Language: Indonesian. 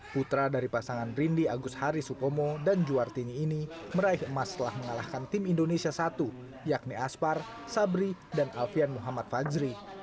putra dari pasangan rindy agus hari supomo dan juartini ini meraih emas setelah mengalahkan tim indonesia satu yakni aspar sabri dan alfian muhammad fajri